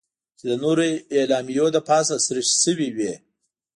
چې د نورو اعلامیو له پاسه سریښ شوې وې.